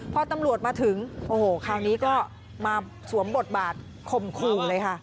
พอตำรวจมาถึงโอ้โหคราวนี้ก็มาสวมบทบาทข่มขู่เลยค่ะ